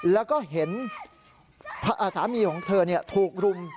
แล้วก็เห็นสามีของเธอถูกรุม